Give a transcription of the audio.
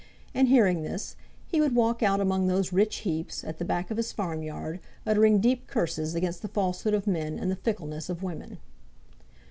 And hearing this, he would walk out among those rich heaps, at the back of his farmyard, uttering deep curses against the falsehood of men and the fickleness of women.